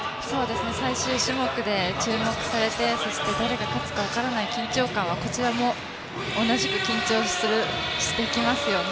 最終種目で注目されてそして誰が勝つか分からない緊張感はこちらも同じく緊張してきますね。